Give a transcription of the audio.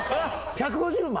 １５０万。